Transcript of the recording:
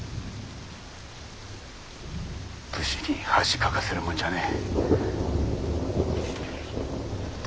武士に恥かかせるもんじゃねえ。